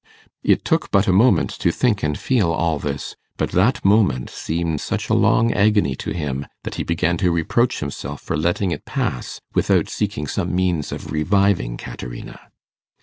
It took but a moment to think and feel all this, but that moment seemed such a long agony to him that he began to reproach himself for letting it pass without seeking some means of reviving Caterina.